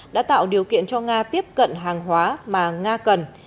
đã tạo điều kiện cho nga tiếp cận hàng hóa mà nga cần